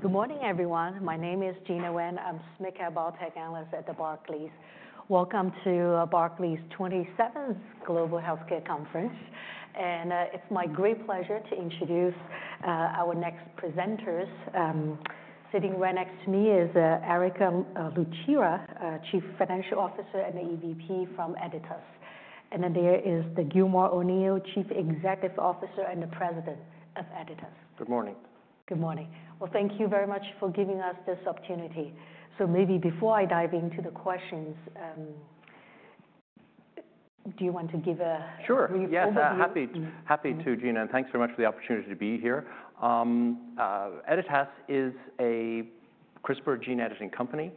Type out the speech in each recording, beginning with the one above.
Good morning, everyone. My name is Gena Wang. I'm a Sector Biotech Analyst at Barclays. Welcome to Barclays' 27th Global Healthcare Conference. It's my great pleasure to introduce our next presenters. Sitting right next to me is Erick Lucera, Chief Financial Officer and the EVP from Editas Medicine. There is Gilmore O'Neill, Chief Executive Officer and the President of Editas Medicine. Good morning. Good morning. Thank you very much for giving us this opportunity. Maybe before I dive into the questions, do you want to give a... Sure. Brief overview? Yeah, happy to, Gena. Thanks very much for the opportunity to be here. Editas is a CRISPR gene editing company.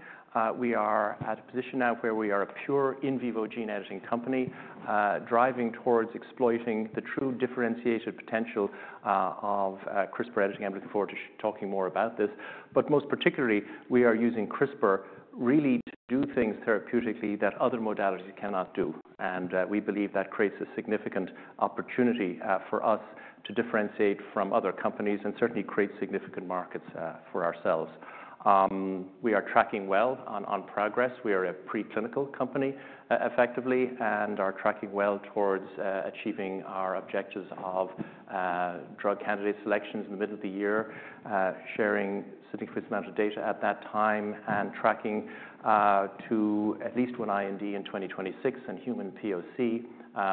We are at a position now where we are a pure in vivo gene editing company, driving towards exploiting the true differentiated potential of CRISPR editing. I'm looking forward to talking more about this. Most particularly, we are using CRISPR really to do things therapeutically that other modalities cannot do. We believe that creates a significant opportunity for us to differentiate from other companies and certainly create significant markets for ourselves. We are tracking well on progress. We are a preclinical company, effectively, and are tracking well towards achieving our objectives of drug candidate selections in the middle of the year, sharing significant amounts of data at that time, and tracking to at least one IND in 2026 and human POC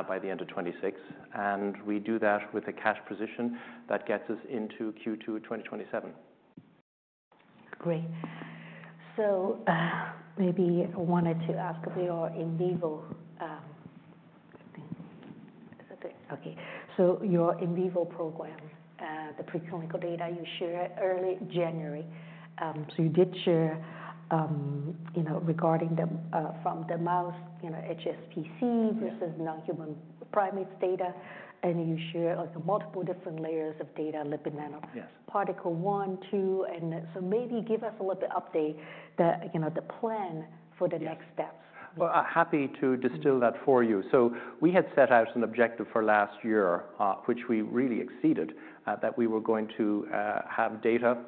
by the end of 2026. We do that with a cash position that gets us into Q2 2027. Great. Maybe I wanted to ask about your in vivo... Okay. Your in vivo program, the preclinical data you shared early January. You did share regarding the mouse HSPC versus non-human primates data. You shared multiple different layers of data, lipid nanoparticle one, two. Maybe give us a little bit of update, the plan for the next steps. I'm happy to distill that for you. We had set out an objective for last year, which we really exceeded, that we were going to have data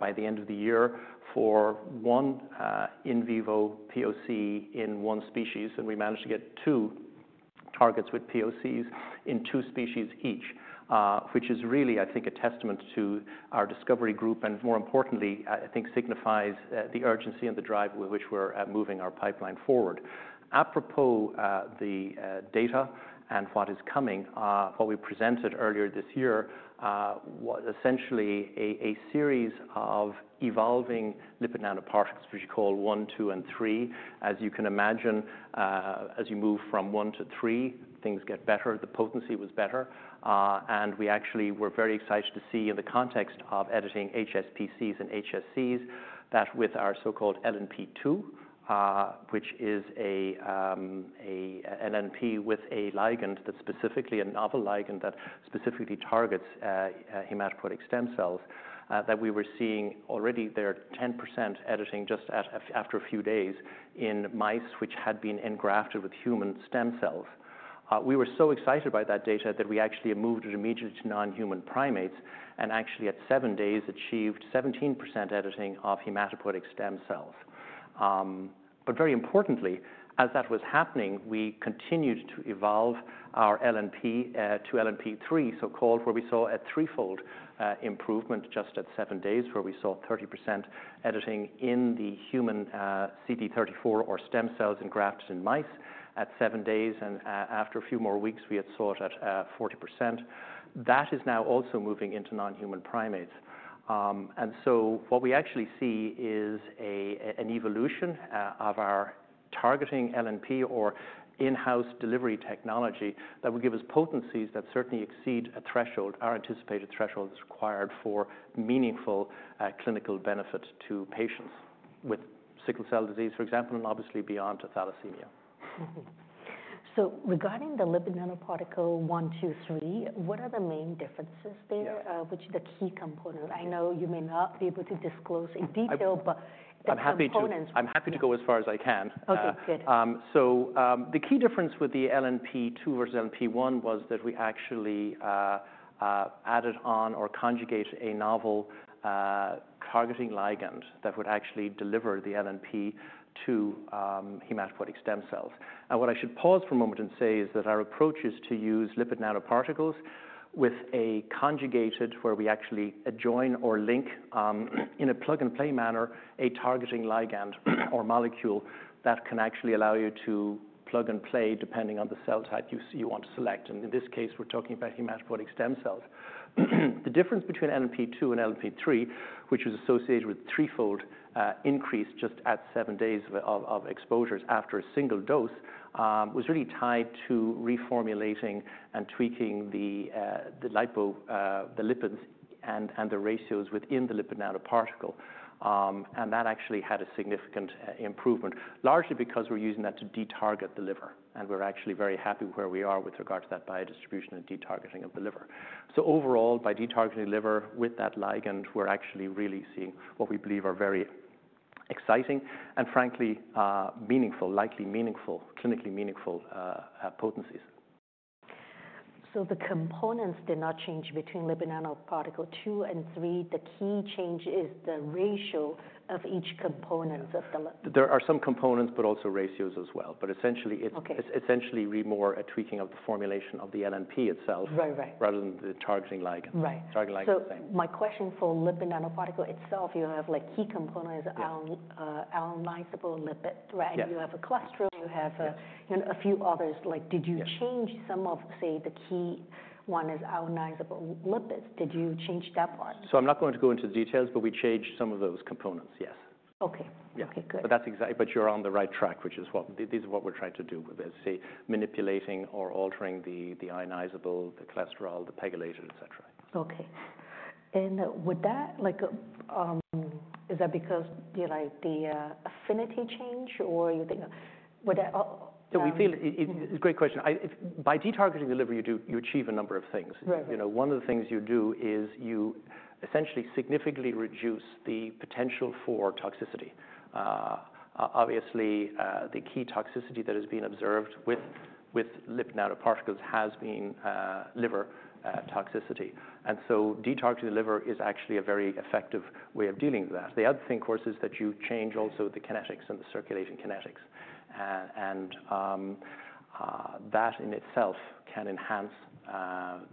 by the end of the year for one in vivo POC in one species. We managed to get two targets with POCs in two species each, which is really, I think, a testament to our discovery group and, more importantly, I think signifies the urgency and the drive with which we're moving our pipeline forward. Apropos the data and what is coming, what we presented earlier this year was essentially a series of evolving lipid nanoparticles, which we call one, two, and three. As you can imagine, as you move from one to three, things get better. The potency was better. We actually were very excited to see in the context of editing HSPCs and HSCs that with our so-called LNP2, which is an LNP with a ligand that's specifically a novel ligand that specifically targets hematopoietic stem cells, we were seeing already there 10% editing just after a few days in mice which had been engrafted with human stem cells. We were so excited by that data that we actually moved it immediately to non-human primates and actually at seven days achieved 17% editing of hematopoietic stem cells. Very importantly, as that was happening, we continued to evolve our LNP to LNP3, so-called, where we saw a threefold improvement just at seven days, where we saw 30% editing in the human CD34 or stem cells engrafted in mice at seven days. After a few more weeks, we had saw it at 40%. That is now also moving into non-human primates. What we actually see is an evolution of our targeting LNP or in-house delivery technology that will give us potencies that certainly exceed a threshold, our anticipated thresholds required for meaningful clinical benefit to patients with sickle cell disease, for example, and obviously beyond to thalassemia. Regarding the lipid nanoparticle one, two, three, what are the main differences there, which are the key components? I know you may not be able to disclose in detail, but the key components. I'm happy to go as far as I can. Okay, good. The key difference with the LNP2 versus LNP1 was that we actually added on or conjugated a novel targeting ligand that would actually deliver the LNP to hematopoietic stem cells. What I should pause for a moment and say is that our approach is to use lipid nanoparticles with a conjugated where we actually adjoin or link in a plug-and-play manner a targeting ligand or molecule that can actually allow you to plug and play depending on the cell type you want to select. In this case, we are talking about hematopoietic stem cells. The difference between LNP2 and LNP3, which was associated with threefold increase just at seven days of exposures after a single dose, was really tied to reformulating and tweaking the lipo, the lipids, and the ratios within the lipid nanoparticle. That actually had a significant improvement, largely because we're using that to detarget the liver. We're actually very happy where we are with regards to that biodistribution and detargeting of the liver. Overall, by detargeting the liver with that ligand, we're actually really seeing what we believe are very exciting and, frankly, likely meaningful, clinically meaningful potencies. The components did not change between lipid nanoparticle two and three. The key change is the ratio of each component of the. There are some components, but also ratios as well. Essentially, it's essentially more a tweaking of the formulation of the LNP itself rather than the targeting ligand. Right. Targeting ligand is the same. My question for lipid nanoparticle itself, you have key components, ionizable lipid, right? You have a cluster, you have a few others. Did you change some of, say, the key one is ionizable lipids? Did you change that part? I'm not going to go into the details, but we changed some of those components, yes. Okay. Okay, good. That is exactly, you are on the right track, which is what these are, what we are trying to do with this, say, manipulating or altering the ionizable, the cholesterol, the pegylated, et cetera. Okay. Is that because the affinity change or you think? We feel it's a great question. By detargeting the liver, you achieve a number of things. One of the things you do is you essentially significantly reduce the potential for toxicity. Obviously, the key toxicity that has been observed with lipid nanoparticles has been liver toxicity. Detargeting the liver is actually a very effective way of dealing with that. The other thing, of course, is that you change also the kinetics and the circulating kinetics. That in itself can enhance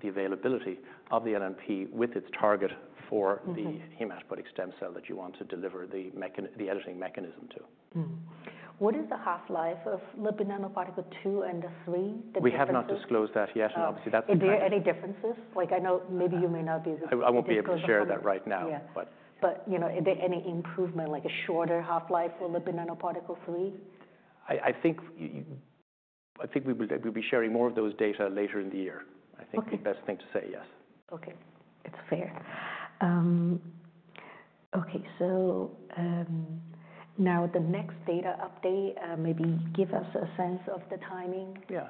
the availability of the LNP with its target for the hematopoietic stem cell that you want to deliver the editing mechanism to. What is the half-life of lipid nanoparticle two and three? We have not disclosed that yet. Obviously, that's the. Are there any differences? Like I know maybe you may not be able to. I won't be able to share that right now. Is there any improvement, like a shorter half-life for lipid nanoparticle three? I think we will be sharing more of those data later in the year. I think the best thing to say, yes. Okay. It's fair. Okay. Now the next data update, maybe give us a sense of the timing. Yeah.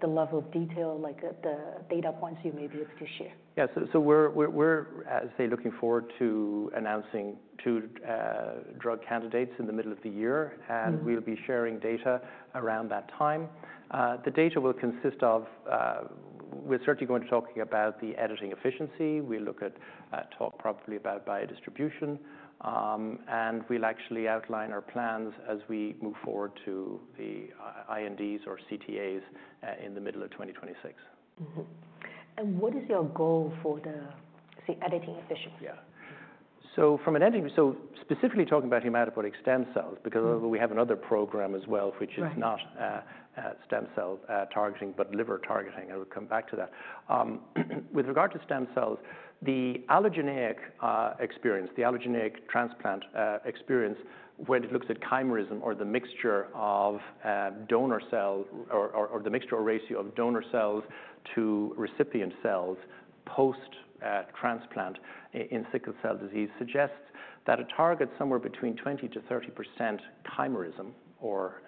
The level of detail, like the data points you may be able to share. Yeah. We're, as I say, looking forward to announcing two drug candidates in the middle of the year. We'll be sharing data around that time. The data will consist of, we're certainly going to be talking about the editing efficiency. We'll look at, talk probably about biodistribution. We'll actually outline our plans as we move forward to the INDs or CTAs in the middle of 2026. What is your goal for the editing efficiency? Yeah. From an editing, so specifically talking about hematopoietic stem cells, because we have another program as well, which is not stem cell targeting, but liver targeting. I will come back to that. With regard to stem cells, the allogeneic experience, the allogeneic transplant experience, when it looks at chimerism or the mixture of donor cell or the mixture or ratio of donor cells to recipient cells post-transplant in sickle cell disease suggests that a target somewhere between 20%-30% chimerism, or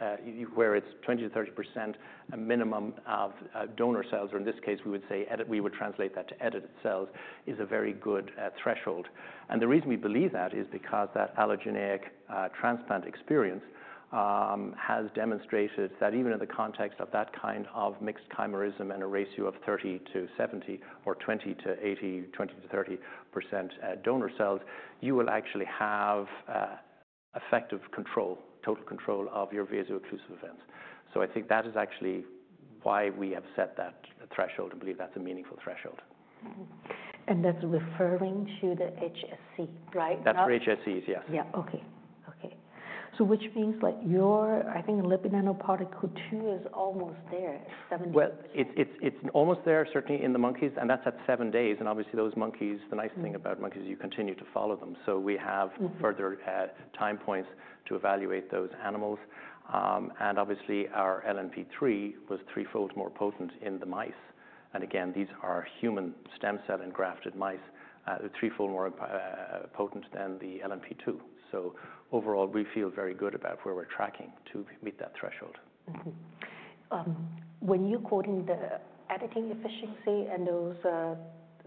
where it is 20%-30% minimum of donor cells, or in this case, we would say we would translate that to edited cells, is a very good threshold. The reason we believe that is because that allogeneic transplant experience has demonstrated that even in the context of that kind of mixed chimerism and a ratio of 30%-70% or 20%-80%, 20%-30% donor cells, you will actually have effective control, total control of your vaso-occlusive events. I think that is actually why we have set that threshold and believe that's a meaningful threshold. That's referring to the HSC, right? That's for HSCs, yes. Yeah. Okay. Okay. Which means like your, I think, LNP2 is almost there, 70%. It is almost there, certainly in the monkeys. That is at seven days. Obviously, those monkeys, the nice thing about monkeys is you continue to follow them. We have further time points to evaluate those animals. Our LNP3 was threefold more potent in the mice. These are human stem cell engrafted mice, threefold more potent than the LNP2. Overall, we feel very good about where we are tracking to meet that threshold. When you're quoting the editing efficiency and those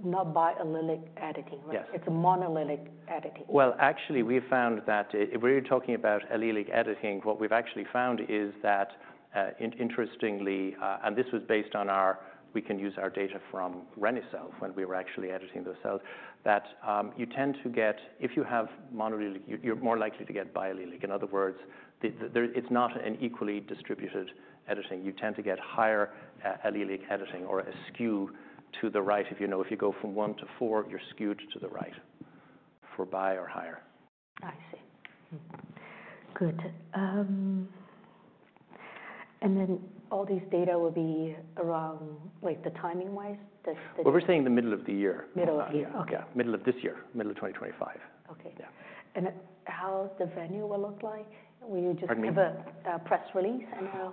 not biallelic editing, right? It's a monoallelic editing. Actually, we found that if we're talking about allelic editing, what we've actually found is that interestingly, and this was based on our, we can use our data from reni-cel when we were actually editing those cells, that you tend to get, if you have monoallelic, you're more likely to get biallelic. In other words, it's not an equally distributed editing. You tend to get higher allelic editing or a skew to the right. If you know, if you go from one to four, you're skewed to the right for bi or higher. I see. Good. All these data will be around, like the timing-wise? We're saying the middle of the year. Middle of the year. Yeah, middle of this year, middle of 2025. Okay. How will the venue look like? Will you just have a press release?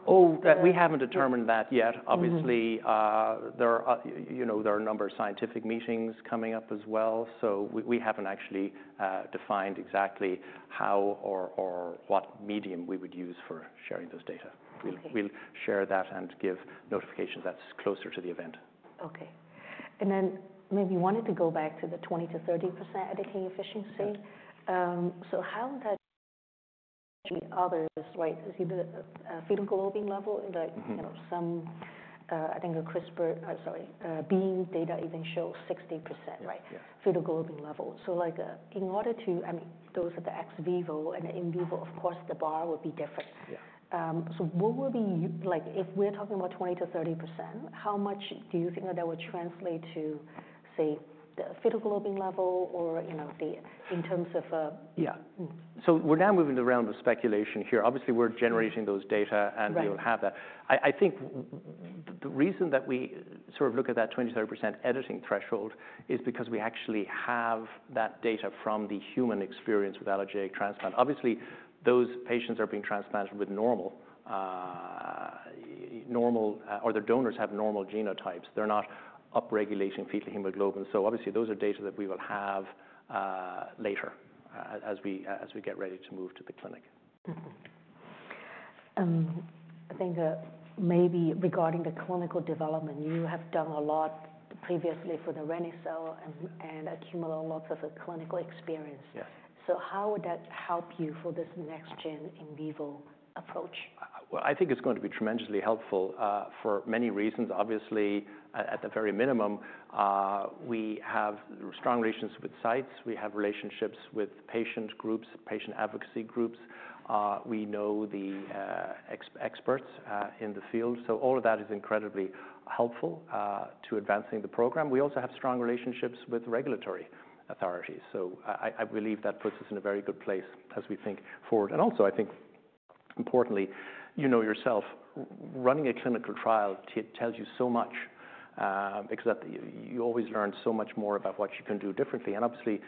Oh, we haven't determined that yet. Obviously, there are a number of scientific meetings coming up as well. We haven't actually defined exactly how or what medium we would use for sharing those data. We'll share that and give notifications that's closer to the event. Okay. Maybe you wanted to go back to the 20%-30% editing efficiency. How that actually others, right? The fetal hemoglobin level, some, I think, CRISPR, sorry, beam data even shows 60%, right? Fetal hemoglobin level. In order to, I mean, those are the ex vivo and the in vivo, of course, the bar would be different. What will be, like if we're talking about 20%-30%, how much do you think that would translate to, say, the fetal hemoglobin level or in terms of. Yeah. We're now moving to the realm of speculation here. Obviously, we're generating those data and we will have that. I think the reason that we sort of look at that 20%-30% editing threshold is because we actually have that data from the human experience with allogeneic transplant. Obviously, those patients are being transplanted with normal, normal, or their donors have normal genotypes. They're not upregulating fetal hemoglobin. Those are data that we will have later as we get ready to move to the clinic. I think maybe regarding the clinical development, you have done a lot previously for the reni-cel and accumulate lots of clinical experience. How would that help you for this next-gen in vivo approach? I think it's going to be tremendously helpful for many reasons. Obviously, at the very minimum, we have strong relations with sites. We have relationships with patient groups, patient advocacy groups. We know the experts in the field. All of that is incredibly helpful to advancing the program. We also have strong relationships with regulatory authorities. I believe that puts us in a very good place as we think forward. I think importantly, you know yourself, running a clinical trial tells you so much because you always learn so much more about what you can do differently. Obviously,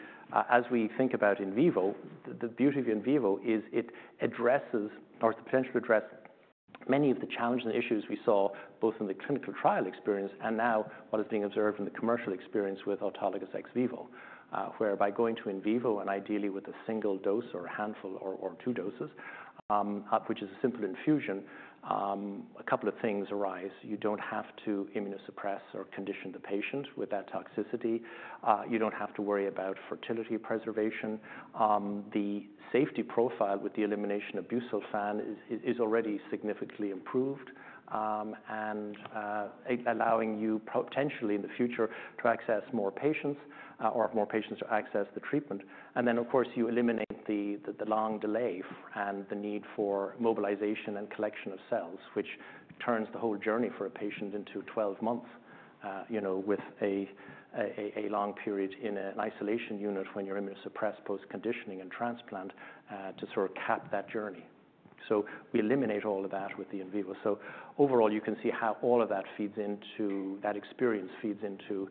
as we think about in vivo, the beauty of in vivo is it addresses or has the potential to address many of the challenges and issues we saw both in the clinical trial experience and now what is being observed in the commercial experience with autologous ex vivo, whereby going to in vivo and ideally with a single dose or a handful or two doses, which is a simple infusion, a couple of things arise. You do not have to immunosuppress or condition the patient with that toxicity. You do not have to worry about fertility preservation. The safety profile with the elimination of busulfan is already significantly improved and allowing you potentially in the future to access more patients or have more patients to access the treatment. Of course, you eliminate the long delay and the need for mobilization and collection of cells, which turns the whole journey for a patient into 12 months with a long period in an isolation unit when you're immunosuppressed post-conditioning and transplant to sort of cap that journey. We eliminate all of that with the in vivo. Overall, you can see how all of that feeds into that experience, feeds into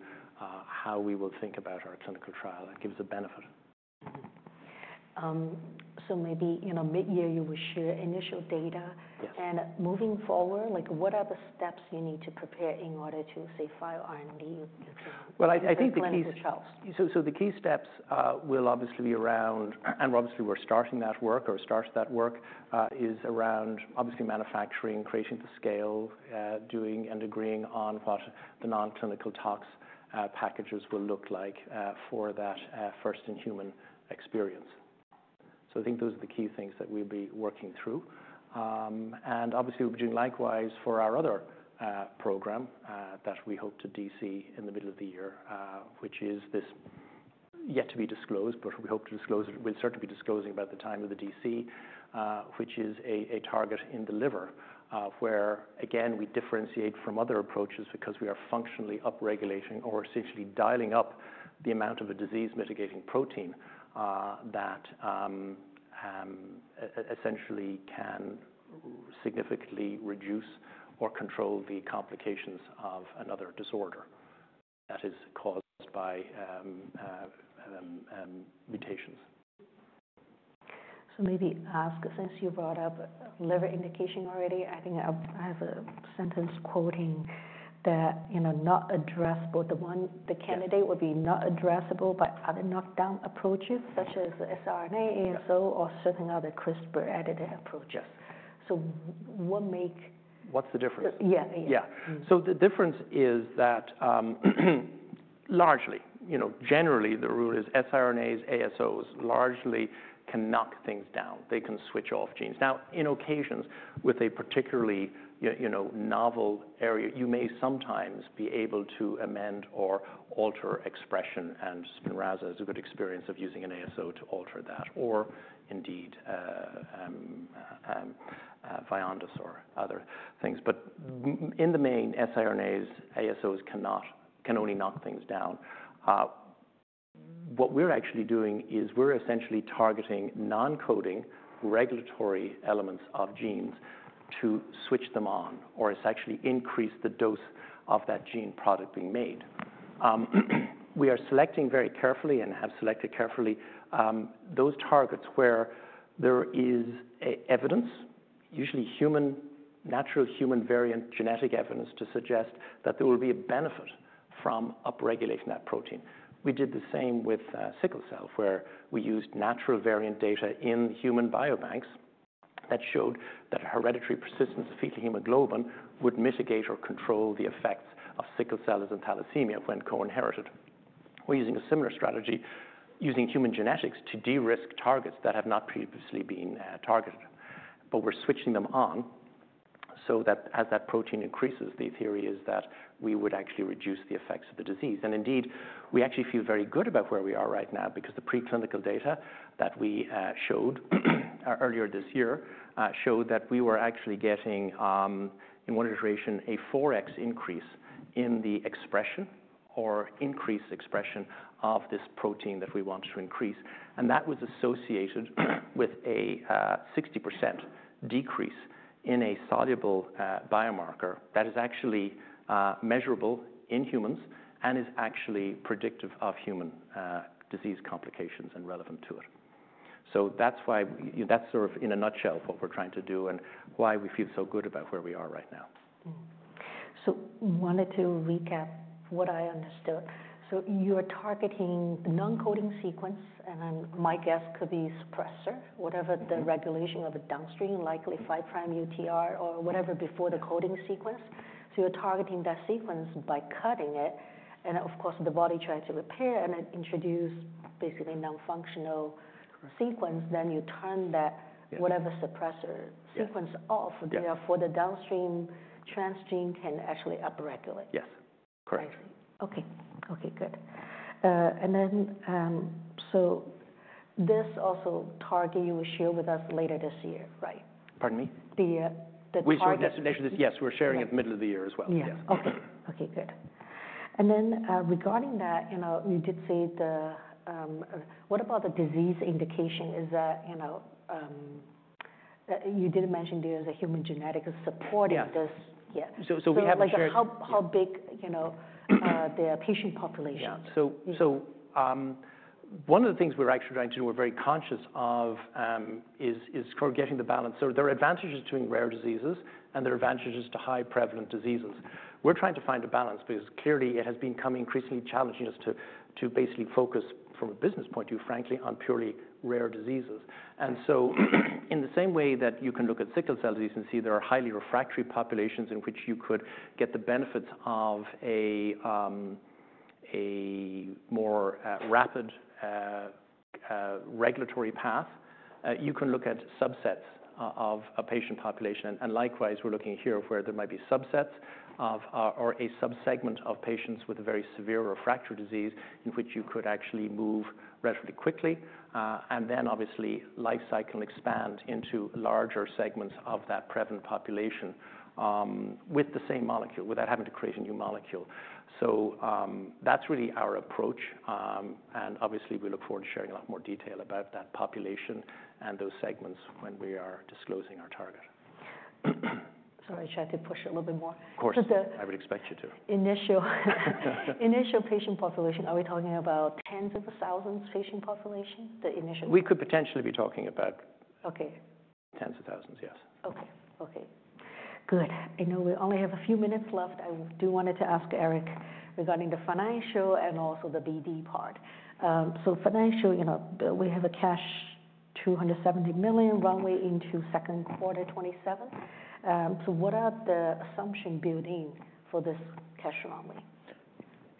how we will think about our clinical trial. That gives a benefit. Maybe mid-year you will share initial data. Moving forward, what are the steps you need to prepare in order to, say, file IND? I think the key. The key steps will obviously be around, and obviously we're starting that work or start that work is around obviously manufacturing, creating the scale, doing and agreeing on what the non-clinical tox packages will look like for that first-in-human experience. I think those are the key things that we'll be working through. Obviously, we're doing likewise for our other program that we hope to DC in the middle of the year, which is this yet to be disclosed, but we hope to disclose it. We'll certainly be disclosing about the time of the DC, which is a target in the liver where, again, we differentiate from other approaches because we are functionally upregulating or essentially dialing up the amount of a disease mitigating protein that essentially can significantly reduce or control the complications of another disorder that is caused by mutations. Maybe ask, since you brought up liver indication already, I think I have a sentence quoting that not addressable, the candidate would be not addressable by other knockdown approaches such as the siRNA, ASO, or certain other CRISPR edited approaches. So what make. What's the difference? Yeah. Yeah. The difference is that largely, generally, the rule is siRNAs, ASOs largely can knock things down. They can switch off genes. Now, in occasions with a particularly novel area, you may sometimes be able to amend or alter expression. Spinraza has a good experience of using an ASO to alter that or indeed Vyondys or other things. In the main, siRNAs, ASOs can only knock things down. What we're actually doing is we're essentially targeting non-coding regulatory elements of genes to switch them on or essentially increase the dose of that gene product being made. We are selecting very carefully and have selected carefully those targets where there is evidence, usually human, natural human variant genetic evidence to suggest that there will be a benefit from upregulating that protein. We did the same with sickle cell where we used natural variant data in human biobanks that showed that hereditary persistence of fetal hemoglobin would mitigate or control the effects of sickle cell as in thalassemia when co-inherited. We are using a similar strategy using human genetics to de-risk targets that have not previously been targeted. We are switching them on so that as that protein increases, the theory is that we would actually reduce the effects of the disease. Indeed, we actually feel very good about where we are right now because the preclinical data that we showed earlier this year showed that we were actually getting in one iteration a 4x increase in the expression or increased expression of this protein that we want to increase. That was associated with a 60% decrease in a soluble biomarker that is actually measurable in humans and is actually predictive of human disease complications and relevant to it. That is sort of in a nutshell what we're trying to do and why we feel so good about where we are right now. I wanted to recap what I understood. You are targeting the non-coding sequence, and my guess could be suppressor, whatever the regulation of a downstream likely five prime UTR or whatever before the coding sequence. You are targeting that sequence by cutting it. Of course, the body tries to repair and introduce basically non-functional sequence. Then you turn that whatever suppressor sequence off for the downstream transgene can actually upregulate. Yes. Correct. I see. Okay. Okay. Good. This also target you will share with us later this year, right? Pardon me? The target. We'll share the next edition of this. Yes, we're sharing at the middle of the year as well. Yes. Okay. Okay. Good. Regarding that, you did say the what about the disease indication is that you didn't mention there is a human genetic supporting this. Yeah. We have shared. How big the patient population? Yeah. One of the things we're actually trying to do, we're very conscious of is getting the balance. There are advantages to doing rare diseases and there are advantages to high prevalent diseases. We're trying to find a balance because clearly it has become increasingly challenging for us to basically focus from a business point of view, frankly, on purely rare diseases. In the same way that you can look at sickle cell disease and see there are highly refractory populations in which you could get the benefits of a more rapid regulatory path, you can look at subsets of a patient population. Likewise, we're looking here where there might be subsets or a subsegment of patients with a very severe refractory disease in which you could actually move relatively quickly. Obviously, life cycle expand into larger segments of that prevalent population with the same molecule without having to create a new molecule. That is really our approach. Obviously, we look forward to sharing a lot more detail about that population and those segments when we are disclosing our target. Sorry, should I push it a little bit more? Of course. I would expect you to. Initial patient population, are we talking about tens of thousands patient population? We could potentially be talking about tens of thousands, yes. Okay. Okay. Good. I know we only have a few minutes left. I do want to ask Erick regarding the financial and also the BD part. Financially, we have a cash $270 million runway into second quarter 2027. What are the assumptions building for this cash runway?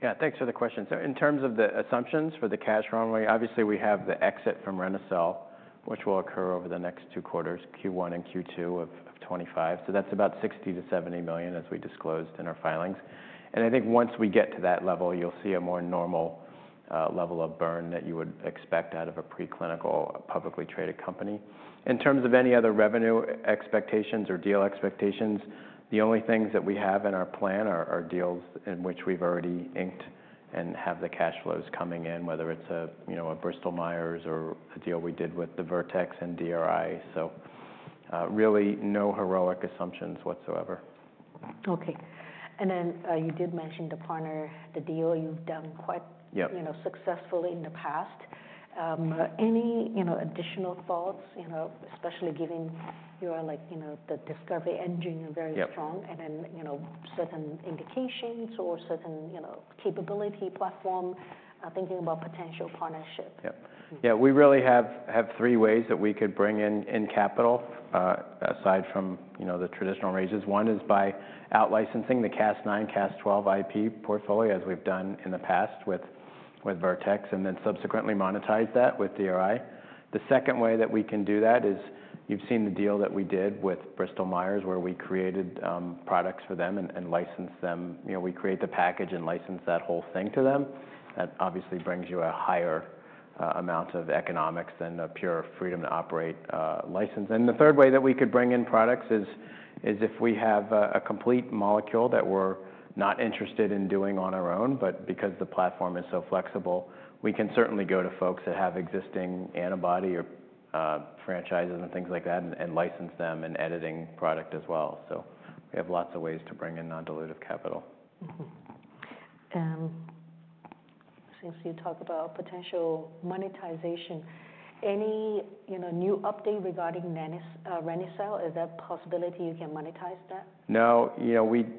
Yeah. Thanks for the question. In terms of the assumptions for the cash runway, obviously we have the exit from reni-cel, which will occur over the next two quarters, Q1 and Q2 of 2025. That is about $60 million-$70 million as we disclosed in our filings. I think once we get to that level, you'll see a more normal level of burn that you would expect out of a preclinical publicly traded company. In terms of any other revenue expectations or deal expectations, the only things that we have in our plan are deals in which we've already inked and have the cash flows coming in, whether it's a Bristol Myers or a deal we did with Vertex and DRI. Really no heroic assumptions whatsoever. Okay. You did mention the partner, the deal you've done quite successfully in the past. Any additional thoughts, especially given you are like the discovery engine is very strong and then certain indications or certain capability platform thinking about potential partnership? Yeah. Yeah. We really have three ways that we could bring in capital aside from the traditional raises. One is by outlicensing the Cas9, Cas12a IP portfolio as we've done in the past with Vertex and then subsequently monetize that with DRI. The second way that we can do that is you've seen the deal that we did with Bristol Myers where we created products for them and licensed them. We create the package and license that whole thing to them. That obviously brings you a higher amount of economics than a pure freedom to operate license. The third way that we could bring in products is if we have a complete molecule that we're not interested in doing on our own, but because the platform is so flexible, we can certainly go to folks that have existing antibody or franchises and things like that and license them an editing product as well. We have lots of ways to bring in non-dilutive capital. Since you talk about potential monetization, any new update regarding reni-cel, is that possibility you can monetize that? No.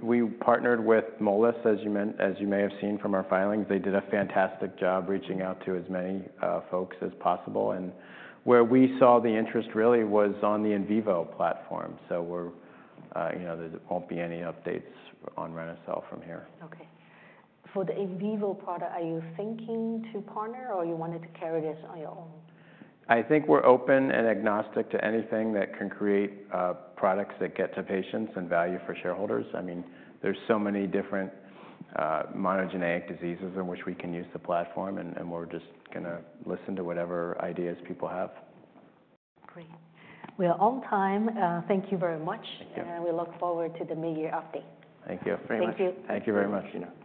We partnered with Moelis, as you may have seen from our filings. They did a fantastic job reaching out to as many folks as possible. Where we saw the interest really was on the in vivo platform. There will not be any updates on reni-cel from here. Okay. For the in vivo product, are you thinking to partner or you wanted to carry this on your own? I think we're open and agnostic to anything that can create products that get to patients and value for shareholders. I mean, there's so many different monogenetic diseases in which we can use the platform and we're just going to listen to whatever ideas people have. Great. We're on time. Thank you very much. We look forward to the mid-year update. Thank you. Thank you. Thank you very much, Gina.